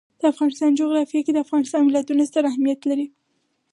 د افغانستان جغرافیه کې د افغانستان ولايتونه ستر اهمیت لري.